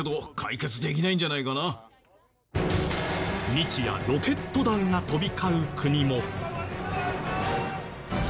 日夜ロケット弾が飛び交う国も。